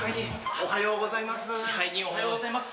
おはようございます。